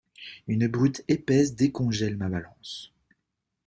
Une brute épaisse décongèle ma balance.